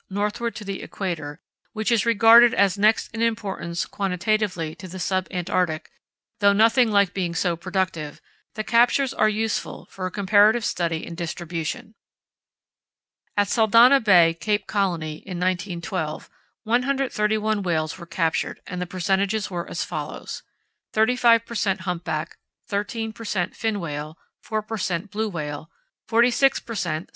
northward to the equator, which is regarded as next in importance quantitatively to the sub Antarctic, though nothing like being so productive, the captures are useful for a comparative study in distribution. At Saldanha Bay, Cape Colony, in 1912, 131 whales were captured and the percentages were as follows: 35 per cent. humpback, 13 per cent. fin whale, 4 per cent. blue whale, 46 per cent.